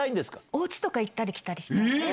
おうちとか行ったり来たりしなんで？